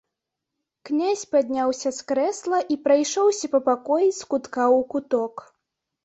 Князь падняўся з крэсла і прайшоўся па пакоі з кутка ў куток.